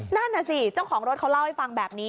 นั่นน่ะสิเจ้าของรถเขาเล่าให้ฟังแบบนี้